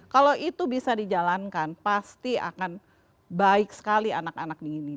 kalau itu bisa dijalankan pasti akan baik sekali anak anak di ini